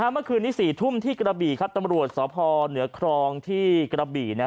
เมื่อคืนนี้๔ทุ่มที่กระบี่ตำรวจสพเหนือครองที่กระบี่